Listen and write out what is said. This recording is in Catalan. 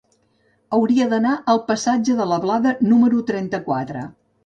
Hauria d'anar al passatge de la Blada número trenta-quatre.